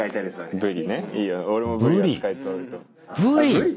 ブリ。